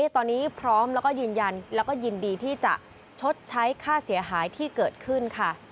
ตอนนี้พร้อมแล้วก็ยืนยันแล้วก็ยินดีที่จะชดใช้ค่าเสียหายที่เกิดขึ้นค่ะ